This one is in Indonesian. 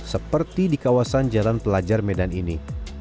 seperti di kawasan jalan pelajar medan ini